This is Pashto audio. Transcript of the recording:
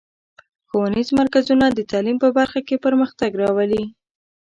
ښوونیز مرکزونه د تعلیم په برخه کې پرمختګ راولي.